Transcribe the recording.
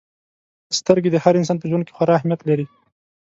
• سترګې د هر انسان په ژوند کې خورا اهمیت لري.